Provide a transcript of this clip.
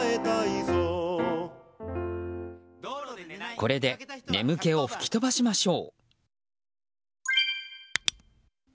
これで眠気を吹き飛ばしましょう。